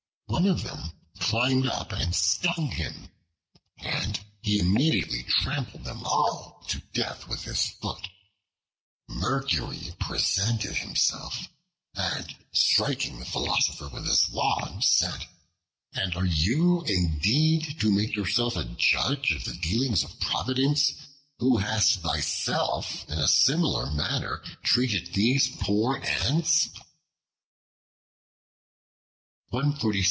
One of them climbed up and stung him, and he immediately trampled them all to death with his foot. Mercury presented himself, and striking the Philosopher with his wand, said, "And are you indeed to make yourself a judge of the dealings of Providence, who hast thyself in a similar manner treated these poor Ants?"